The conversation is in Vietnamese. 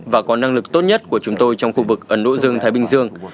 và có năng lực tốt nhất của chúng tôi trong khu vực ấn độ dương thái bình dương